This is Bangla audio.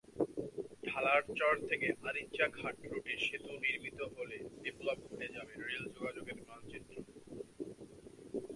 ঢালারচর থেকে আরিচা ঘাট রুটে সেতু নির্মিত হলে বিপ্লব ঘটে যাবে রেল যোগাযোগের মানচিত্রে।